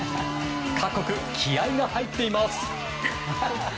各国、気合が入っています。